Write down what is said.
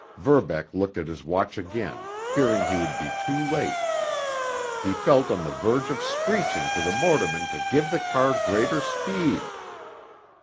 Verbeck looked at his watch again, fearing he would be too late. He felt on the verge of screeching to the motorman to give the car greater speed.